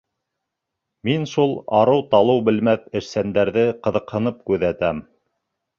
Мин шул арыу-талыу белмәҫ эшсәндәрҙе ҡыҙыҡһынып күҙәтәм.